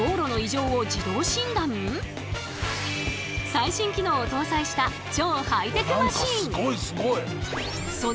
最新機能を搭載した超ハイテクマシン！